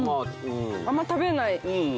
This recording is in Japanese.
あんま食べない？